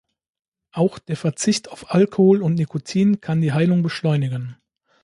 Auch der Verzicht auf Alkohol und Nikotin kann die Heilung beschleunigen.